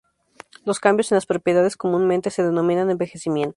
Los cambios en las propiedades comúnmente se denominan "envejecimiento".